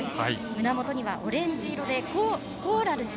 胸元にはオレンジ色でコーラルズ。